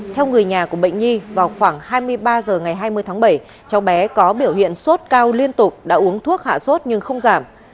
theo người nhà của bệnh nhi vào khoảng hai mươi ba h ngày hai mươi tháng bảy cháu bé có biểu hiện sốt cao liên tục đã uống thuốc hạ sốt nhưng không giảm